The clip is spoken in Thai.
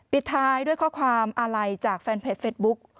ปิดท้ายด้วยข้อความอาลัยจากแฟนเพจเฟสบุ๊ก